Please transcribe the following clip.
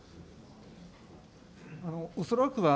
恐らくは、